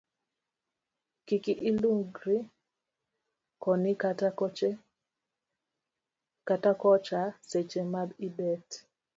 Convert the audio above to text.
Kik ilung'ri koni kata kocha seche ma ibet